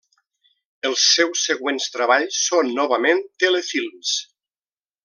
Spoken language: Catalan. Els seus següents treballs són, novament, telefilms.